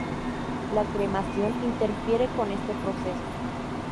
La cremación interfiere con este proceso.